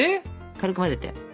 軽く混ぜて。